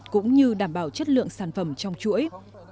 cũng như đảm bảo chất lượng sản phẩm trong chuỗi